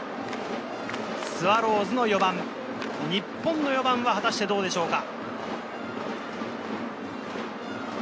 スワローズの４番、日本の４番は果たしてどうでしょうか？